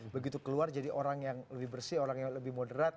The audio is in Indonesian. begitu keluar jadi orang yang lebih bersih orang yang lebih moderat